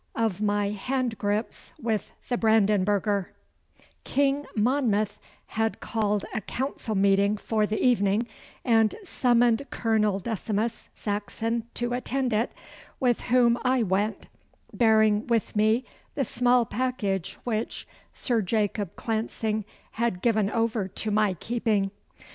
Of my Hand grips with the Brandenburger King Monmouth had called a council meeting for the evening, and summoned Colonel Decimus Saxon to attend it, with whom I went, bearing with me the small package which Sir Jacob Clancing had given over to my keeping.